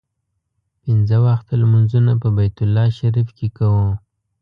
پنځه وخته لمونځونه په بیت الله شریف کې کوو.